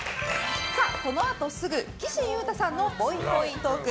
このあとすぐ岸優太さんのぽいぽいトーク。